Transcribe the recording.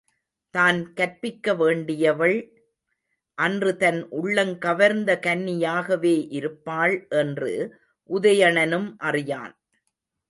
தான் கற்பிக்க வேண்டியவள், அன்று தன் உள்ளங்கவர்ந்த கன்னியாகவே இருப்பாள் என்று உதயணனும் அறியான்.